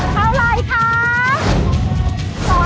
เท่าไรคะ